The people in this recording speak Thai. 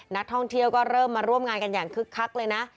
นักท่องเที่ยวก็เริ่มมาร่วมงานกันอย่างคึกคักเลยนะ